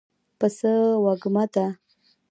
پسه وږمه ده.